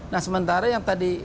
nah sementara yang tadi